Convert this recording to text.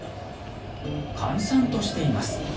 閑散としています。